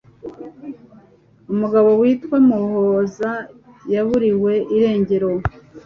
umugabo witwa Muhoza yaburiwe irengero